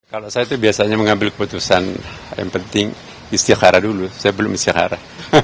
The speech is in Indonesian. kalau saya itu biasanya mengambil keputusan yang penting istiahara dulu saya belum isyahara